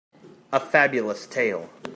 A Fabulous tale.